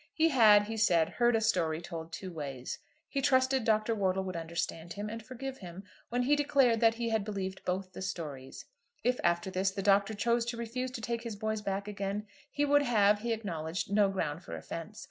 He had, he said, heard a story told two ways. He trusted Dr. Wortle would understand him and forgive him, when he declared that he had believed both the stories. If after this the Doctor chose to refuse to take his boys back again, he would have, he acknowledged, no ground for offence.